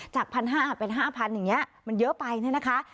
จากพันห้าเป็นห้าพันอย่างเงี้ยมันเยอะไปน่ะนะคะ